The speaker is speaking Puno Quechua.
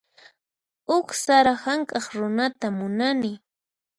Huk sara hank'aq runata munani.